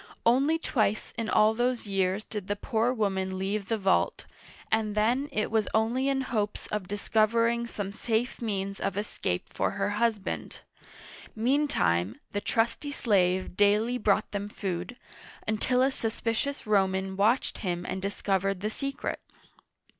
Only twice in all those years did the poor woman leave the vault, and then it was only in hopes of discover ing some safe means of escape for her husband. Mean time, the trusty slave daily brought them food, until a suspicious Roman watched him and discovered the secret.